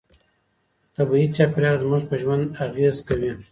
طبيعي چاپيريال زموږ په ژوند اغېز کوي.